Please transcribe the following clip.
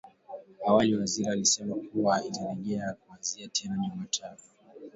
Awali waziri alisema kuwa ingetarajiwa kuanza tena Jumatano